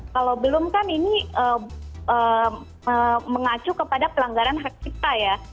kalau belum kan ini mengacu kepada pelanggaran hak cipta ya